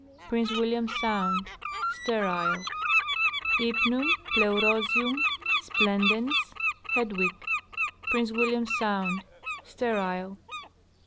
Prince William sound. Sterile. Hypnum {Pleurozium) splendens, Hedw. Prince William sound. Sterile.